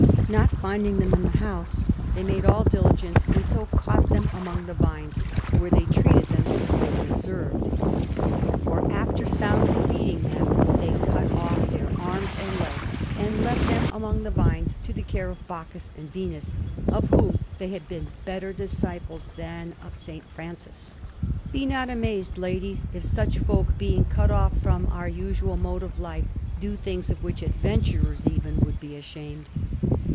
Not finding them in the house, they made all diligence, and so caught them among the vines, where they treated them as they deserved; for, after soundly beating them, they cut off their arms and legs, and left them among the vines to the care of Bacchus and Venus, of whom they had been better disciples than of St. Francis. "Be not amazed, ladies, if such folk, being cut off from our usual mode of life, do things of which adventurers (2) even would be ashamed.